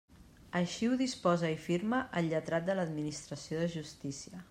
Així ho disposa i firma el lletrat de l'Administració de justícia.